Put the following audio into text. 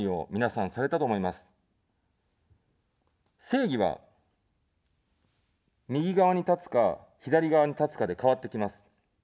正義は右側に立つか、左側に立つかで変わってきます。